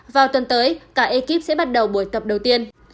vào tuần tới cả ekip sẽ bắt đầu buổi tập đầu tiên